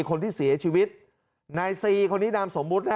คนที่เสียชีวิตนายซีคนนี้นามสมมุติ